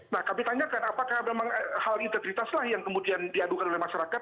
nah kami tanyakan apakah memang hal integritaslah yang kemudian diadukan oleh masyarakat